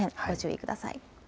ご注意ください。